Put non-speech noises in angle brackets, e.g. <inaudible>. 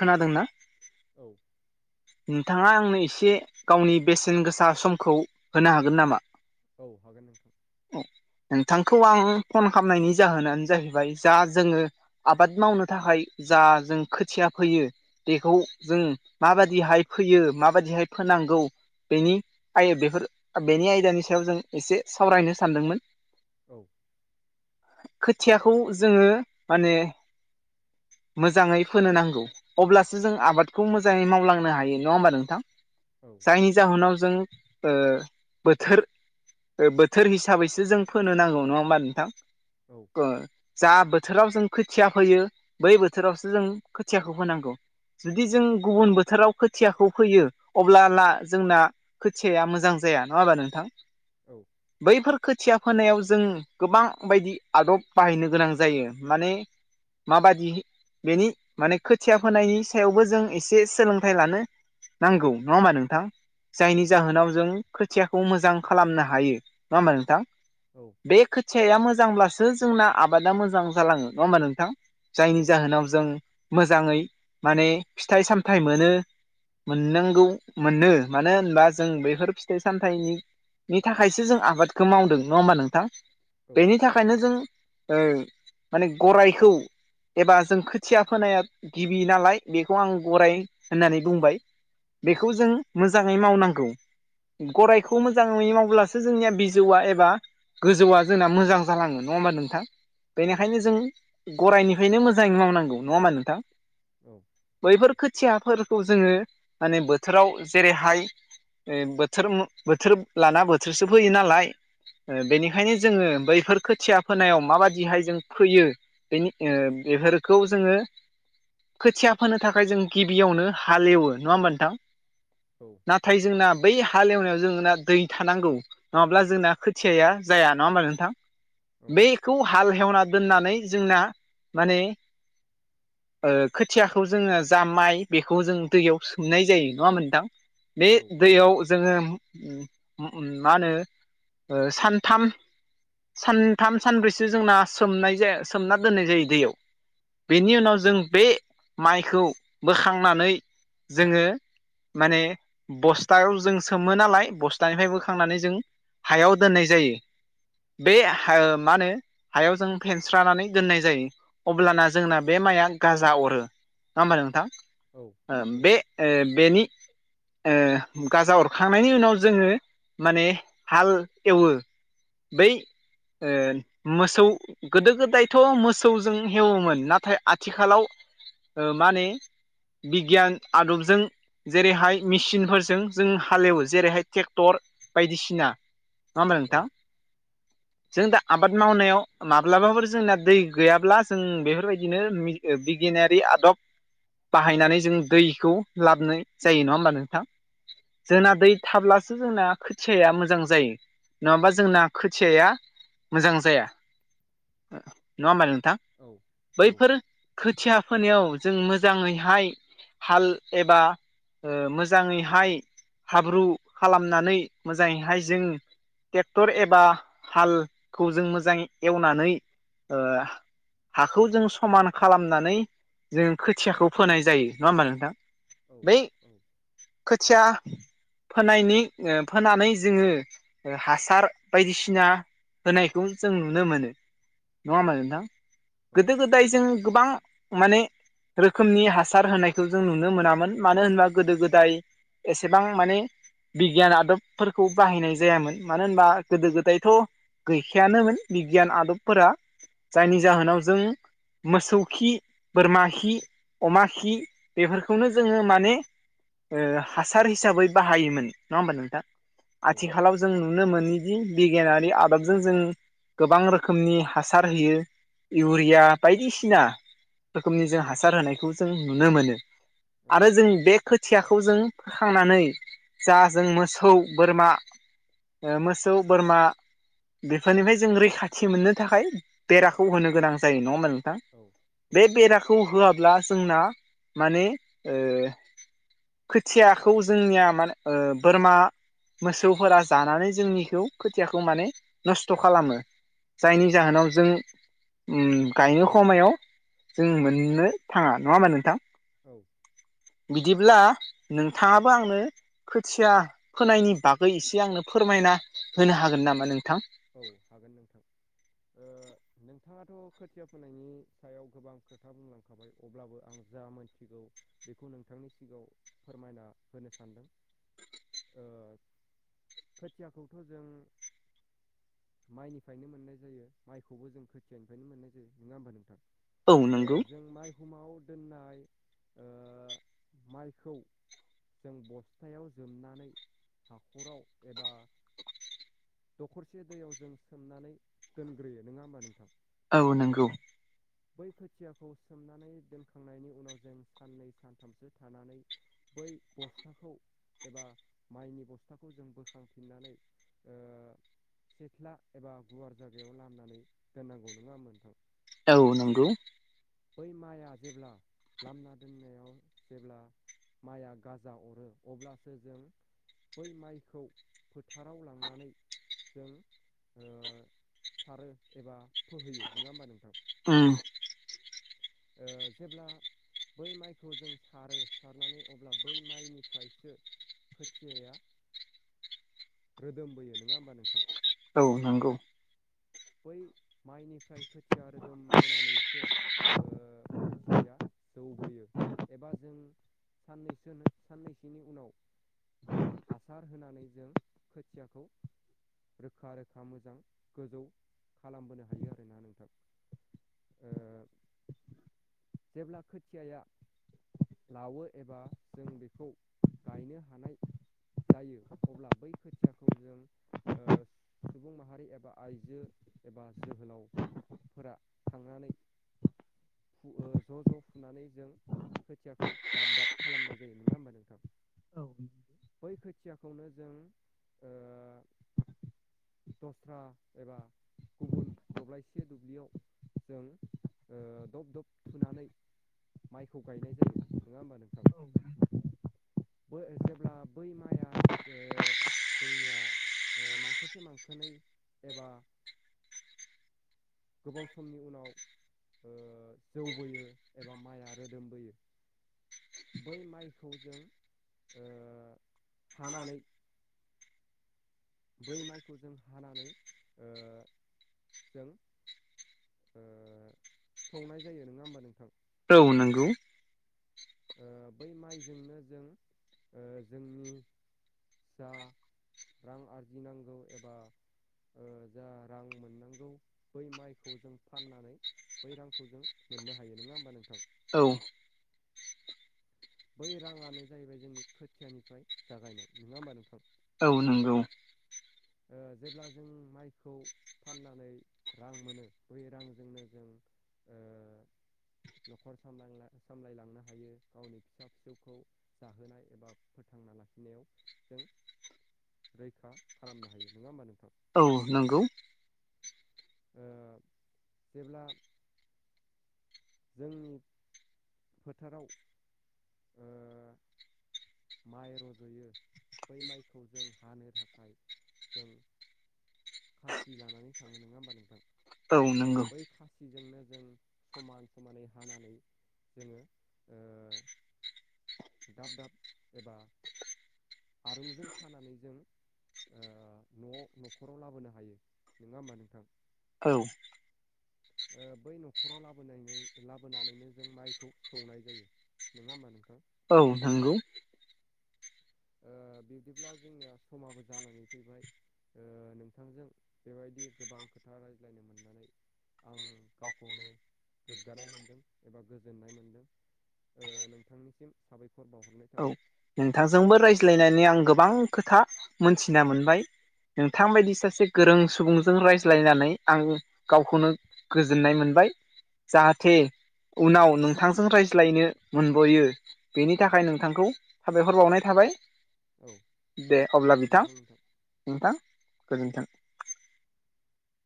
खोनादोंना? औ नोंथाङा आंनो एसे गावनि बेसेन गोसा समखौ होनो हागोन नामा? औ हागोन नोंथां। नोंथांखौ आं फन खालामनायनि जाहोनानो जाहैबाय जा जोङो आबाद मावनो थाखाय जा जों खोथिया फैयो बेखौ जों माबाददि दिहाय फैयो माबाददिहाय फोनांगौ बेनि आय बेफोर बेनि आयदानि सायाव जों एसे सावरायनो सानदोंमोन? औ खोथियाखौ जोङो माने मोजांङै फोनो नांगौ अब्लासो जों आबादखौ मोजांङै मावलां फोनो हायो नंङाहोमबा नोंथां? औ जायनि जाहोनाव जों ओ बोथोर बोथोर हिसाबैसो जों फोनो नांगौ नंङा होमबा नोंथां? औ ओ जा बोथोराव जों खोथिया फोयो बै बोथोरावसो जों खोथियाखौ फांगौ। जुदि जों गुबुन बोथोराव खोथियाखौ फैयो अब्लाला जोंना खोथियाया मोजां जाया नङा होमबा नोंथां? औ बैफोर खोथिया फोनायाव जों गोबां बायदि आदब बाहायनो गोनां जायो माने माबादि बेनि माने खोथिया फोनायनि सायावबो जों एसे सोलों थाय लानो नांगौ नंङा होमबा नोंथां? जायनि जाहोनाव जों खोथियाखौ मोजां खालामनो हायो नंङा होमा नोंथां? औ बे खोथिाया मोजांब्लासो जोंना आबादा मोजां जालांङो नंङा होमबा नोंथां? औ जायनि औ जाहोनाव जों मोजांङै माने फिथाइ सामथाइ मोनो। मोननांगौ मोनो मानो होनबा जों बेफोर फिथाइ सामथाइनि नि थाखायसो जों आबादखौ मावदों नंङा होमबा नोंथां? बेनि थाखायनो जों ओ माने गरायखौ एबा जों खोथिया फोनाया गिबि नालाय बेखौ आं गराय होननानै बुंबाय बेखौ जों मोजांङै मावनांगौ। ग'रायखौ मोजांङै मावब्लासो जोंनिया बिजौआ एबा गोजौआ जोंना मोजां जालांङो नंङा होमबा नोंथां? बेनिखायनो जों गररायनिफ्रायनो मोजांङै मावनांगौ नंङा होनबा नोंथां? औ बैफोर खोथियाफोरखौ जोंङो माने बोथोराव जेरैहाय बोथोर बोथोर लाना बोथोरसो फैयो नालाय बेनिखायनो जोंङो बैफोर खोथिया फोनायाव माबाददिहाय जों फोयो बेनि बेफोरखौ जोंङो खोथिया फोनो थाखाय जों गि गिबियावनो हालेवो नंङा होमबा नोंथां? औ। नाथाय जोंना बै हालेवनायाव जोंना दै थानांगौ। नंङाब्ला जोंना खोथियाया जाया नंङा होमबा नोंथां बे खौ हाल हेवना दोननानै जोंना माने खोथियाखौ जोंङो जामाय बेखौ जों दैयाव सोमनाय जायो नंङा मोनदां बे दैयाव जोंङो मा होनो सानथाम सानथाम सानब्रैसो जोंना सोमनाय जाया सोमना दोननाय जायो दैयाव। बेनि उनाव जों बे माइखौ बोखांनानै जोंङो माने बस्थायायाव जों सोमो नालाय बस्थानिफ्राय बोखांनानै जों हायाव दोननाय जायो। बे मा होनो हायाव जों फेनस्रानानै दोननाय जायो। अब्लाना जोंना बे माइया गाजा अरो नंङा होमबा नोंथां? औ बे बेनि <unintelligible> गाजा अरखांनायनि उनाव जोङो माने हाल एवो। बै मोसौ गोदो गोदायथ' मोसौजों एवोमोन नाथाय आथिखालाव माने बिगियान आदबजों जेरैहाय मेसिनफोरजों जों हालेवो जेरैहाय ट्रेक्टर बायदिसिना। नङा होमबा नोंथां जों दा आबाद मावनायाव माब्लाबाफोर जोंना दै गैयाब्ला जों बेफोरबायदिनो बिगियानारि आदब बाहायनानै जों दैखौ लाबोनाय जायो नङा होमबा नोंथां जोंना दै थाब्लासो जोंना खोथियाया मोजां जायो नङाबा जोंना खोथियाया मोजां जाया नङा होमबा नोंथां? बैफोर खोथिया फोनायाव जों मोजाङैहाय हाल एबा मोजाङैहाय हाब्रु खालामनानै मोजाङैहाय जों ट्रेक्टर एबा हालखौ जों मोजाङै एवनानै ओं हाखौ जों समान खालामनानै जों खोथियाखौ फोनाय जायो नङा होमबब्ला नोंथां बै औ खोथिया फोनायनि फोनानै जोङो हासार बायदिसिना होनायखौ जों नुनो मोनो। नङा होनबा नोंथां गोदो गोदाय जों गोबां माने रोखोमनि हासार होनायखौ जों नुनो मोनामोन मानो होनबा गोदो गोदाय एसेबां माने बिगियान आदबफोरखौ बाहायनाय जायामोन मानो होनबा गोदो गोदायथ' गैखायानोमोन बिगियान आदबफोरा। जायनि जाहोनाव जों मोसौ खि बोरमा खि अमा खि बेफोरखौनो जोङो माने हासार हिसाबै बाहायोमोन नङा होमबा नोंथां आथिखालाव जों नुनो मोनोदि बिगियानारि आदबजों जों गोबां रोखोमनि हासार होयो। इउरिया बायदिसिना रोखोमनि जोंहा हासार होनायखौ जों नुनो मोनो। आरो जों बे खोथियाखौ जों फोखांनानै जा जों मोसौ बोरमा मोसौ बोरमा बेफोरनिफ्राय जों रैखाथि मोननो थाखाय बेराखौ होनो गोनां जायो नङा होनबा नोंथां। बे बेराखौ होआब्ला जोंना माने खोथियाखौ जोंनिया मान बोरमा मोसौफोरा जानानै जोंनिखौ खोथियाखौ माने नस्थ' खालामो। जायनि जाहोनाव जों गायनो समायाव जों मोननो। थाङा नङा होमबा नोंथां औ बिदिब्ला नोंथाङाबो आंनो खोथिया फोनायनि बागै एसे आंनो फोरमायना होनो हागोन नामा नोंथां? औ हागोन नोंथां नोंथाङाथ' खोथिया फोनायनि सायाव गोबां खोथा बुंलां खाबाय अब्लाबो आं जा मोनथिगौ बेखौ नोंथांनि सिगाङाव फोरमायना होनो सानदों। खोथियाखौथ' जों माइनिफ्रायनो मोननाय जायो माइखौबो जों खोथियानिफ्रायनो मोननाय जायो नङा होमबा नोंथां। औ नंगौ जों माइहुमाव दोननाय माइखौ जों बस्थायाव जोबनानै हाखराव एबा दखरसे दैयाव जों सोमनानै दोनग्रोयो नङा होमबा नोंथां औ नंगौ बै खोथियाखौ सोमनानै दोनखांनायनि उनाव जों साननै सानथामसो थानानै बै बस्थाखौ एबा माइनि बस्थाखौ जों बोखांफिननानै सिथ्ला एबा गुवार जायगायाव लामनानै दोननांगौ नङा मोनथां औ नंगौ। बै माइआ जेब्ला लामना दोननायाव जेब्ला माइया गाजा अरो अब्लासो जों बै माइखौ फोथाराव लांनानै जों सारो एबा फोहैयो नङा होमबा नोंथां? उ ओ जेब्ला बै माइखौ जों सारो सारनानै अब्ला बै माइनिफ्रायसो खोथियाया रोदोमबोयो नङा होमबा नोंथां? औ नंगौ। बै माइनिफ्राय खोथिया खोथिया रोदोम बोनानैसो खोथियाया जौ बोयो। एबा जों साननैसोनो साननैसोनि उनाव हासार होनानै जों खोथियाखौ रोखा रोखा मोजां गोजौ खालामबोनो हायो आरोना नोंथां। जेब्ला खोथियाया लावो एबा जों बेखौ गायनो हानाय जायो अब्ला बै खोथियाखौ जों ओ सुबुं माहारि एबा आइजो एबा जोहोलाव फोर थांनानै ज' ज' फुनानै जों खोथियाखौ दाब दाब खालामनाय जायो नङा होमबा नोंथां? औ। बै खोथियाखौनो जों ओ दस्रा एबा गुबुन दब्लायसे दुब्लियाव जों दब दब थुनानै माइखौ गायनाय जायो नङा होमबा नोंथां? जेब्ला बै माइआ जोंनिया मांखोसे मांखोनै एबा गोबाव समनि उनाव जौ बोयो एबा माइआ रोदोमबोयो। बै माइखौ जों ओ हानानै बै माइखौ जों हानानै ओ जों ओ सौनाय जायो नोङा होमबा नोंथां? औ नोंगौ। ओ बै माइजोंनो जों ओ जोंनि जा रां आरजिनांगौ एबा ओ जा रां मोननांगौ बै माइखौ जों फाननानै बै रांखौ जों मोननो हायो नोङा होमबा नोंथां? औ। बै राङानो जाहैबाय जोंनि खोथियानिफ्राय जागायनाय नोङा होमबा नोंथां? औ नोंगौ। ओ जेब्ला जों माइखौ फाननानै रां मोनो बै रांजोंनो जों ओ न'खर सामला सामलायलांनो हायो गावनि। फिसा फिसौखौ जाहोनाय एबा फोथांना लाखिनायाव जों रैखा खालामनो हायो नोङा होमबा नोंथां? औ नोंगौ। ओ जेब्ला जोंनि फोथाराव ओ माइ रज'यो बै माइखौ जों हानो थाखाय जों खासि लानानै थाङो नोङा होमबा नोंथां औ नंगौ बै खास सिजोंनो जों समान समानै हानानै जोङो ओ दाब दाब एबा आरुंजों खानानै जों ओ न'आव न'खराव लाबोनो हायो नोङा होमबा नोंथां। औ। ओ बै न'खराव लाबोनायनो लाबोनानैनो जों माइखौ सौनाय जायो। नोङा होमबा नोंथां। औ थांगौ। ओ बिब्दिब्ला जोंनिया समाबो जानानै फैबाय। ओ नोंथांजों बेबायदि गोबां खोथा रायज्लायनो मोननानै आं गावखौनो गोग्गानाय मोनदों एबा गोजोननाय मोनदों। ओ नोंथांनिसिम साबायखर बावहरनाय औ थाबाय‌। नोंथांजोंबो रायज्लायनानै आं गोबां खोथा मोनथिना मोनबाय। नोंथां बायदि सासे गोरों सुबुंजों रायज्लायनानै आं गावखौनो गोजोननाय मोनबाय। औ जाहाथे उनाव नोंथांजों रायज्लायनो मोनबोयो बेनि औ थाखाय नोंथांखौ साबायखर बावनाय थाबाय औ दे अब्ला बिथां। गोजोन्थों नोंथां। नोंथां गोजोन्थों।